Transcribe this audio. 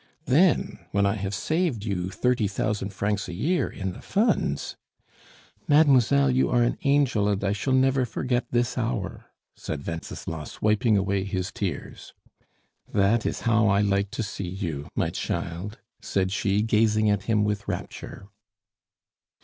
Then, when I have saved you thirty thousand francs a year in the funds " "Mademoiselle, you are an angel, and I shall never forget this hour," said Wenceslas, wiping away his tears. "That is how I like to see you, my child," said she, gazing at him with rapture.